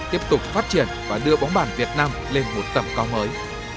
tiếp tục phát triển và đưa bóng bàn việt nam lên một tầm cao mới